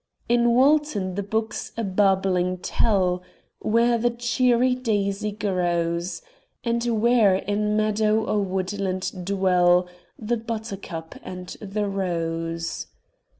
In Walton the brooks a babbling tell Where the cheery daisy grows, And where in meadow or woodland dwell The buttercup and the rose.